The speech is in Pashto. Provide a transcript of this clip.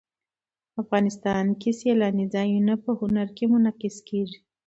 افغانستان کې سیلاني ځایونه په هنر کې منعکس کېږي.